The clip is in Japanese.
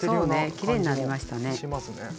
きれいになりましたね。